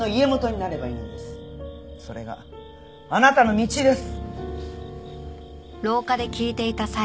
それがあなたの道です！